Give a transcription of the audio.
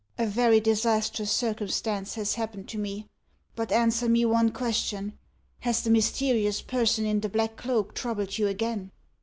"A very disastrous circumstance has happened to me. But answer me one question: Has the mysterious person in the black cloak troubled you again?"